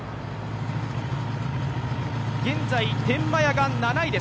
現在、天満屋が７位です。